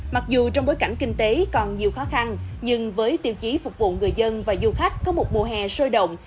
mặc dù trong bối cảnh kinh tế còn nhiều khó khăn nhưng với tiêu chí phục vụ người dân và du khách có một mùa hè sôi động